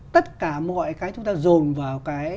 tất cả mọi cái chúng ta dồn vào cái